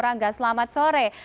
rangga selamat sore